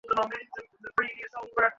তাহলে সমস্যা কোথায়?